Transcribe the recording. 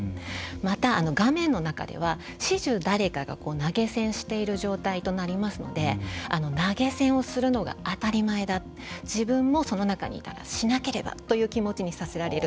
また画面の中では始終誰かが投げ銭している状態となりますので投げ銭をするのが当たり前だ自分もその中にいたらしなければという気持ちにさせられる。